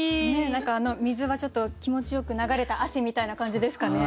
何か水はちょっと気持ちよく流れた汗みたいな感じですかね。